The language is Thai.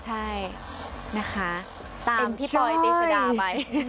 ใช่นะคะตามพี่ปอยติชดาไป